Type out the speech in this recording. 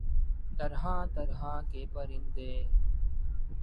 طرح طرح کے پرندے